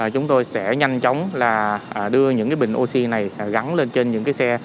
chúng tôi sẽ nhanh chóng đưa những bình oxy này gắn lên trên những xe